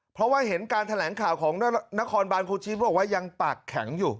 เพราะว่าเห็นการแถลงข่าวของนครบานครูชินบอกว่ายังปากแข็งอยู่